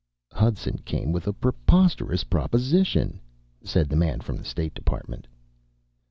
"Hudson came with a preposterous proposition," said the man from the state department.